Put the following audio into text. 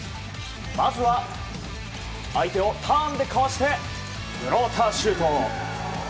まずは、相手をターンでかわしてフローターシュート！